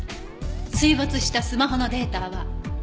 水没したスマホのデータは？